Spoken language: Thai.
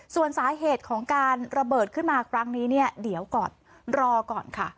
ส่วนสาเหตุของการระเบิดขึ้นมาครั้งนี้เนี่ยเดี๋ยวก่อนรอก่อนค่ะ